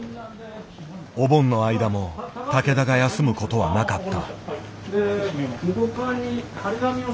お盆の間も竹田が休むことはなかった。